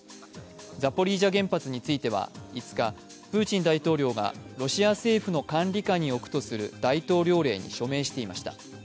ザポリージャ原発については５日、プーチン大統領がロシア政府の管理下に置くとする大統領令に署名していました。